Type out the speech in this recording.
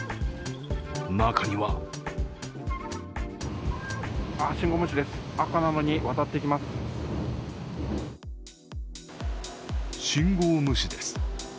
中には信号無視です。